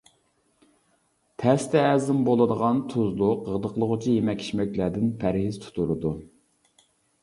تەستە ھەزىم بولىدىغان، تۇزلۇق، غىدىقلىغۇچى يېمەك-ئىچمەكلەردىن پەرھىز تۇتۇلىدۇ.